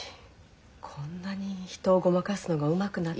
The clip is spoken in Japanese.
こんなに人をごまかすのがうまくなってたのかと。